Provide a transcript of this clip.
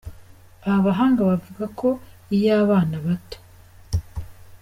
Aba bahanga bavuga ko iyo abana bato.